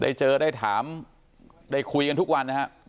ได้เจอได้ถามได้คุยกันทุกวันนะครับ